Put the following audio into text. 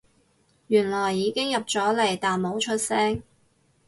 原來已經入咗嚟但冇出聲